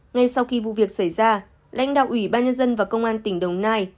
ngay sau khi vụ việc xảy ra lãnh đạo ủy ban nhân dân và công an tỉnh đồng nai